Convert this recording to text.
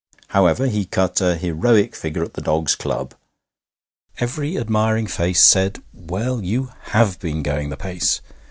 However, he cut a heroic figure at the dogs' club. Every admiring face said: 'Well, you have been going the pace!